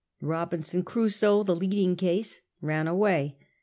Tiobinson Crusoe, the leading case, ran away.